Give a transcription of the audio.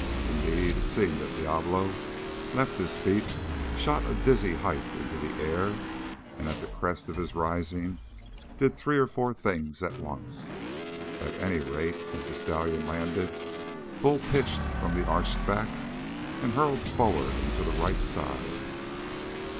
Indeed, it seemed that Diablo left his feet, shot a dizzy height into the air, and at the crest of his rise did three or four things at once. At any rate, as the stallion landed, Bull pitched from the arched back and hurtled forward and to the right side.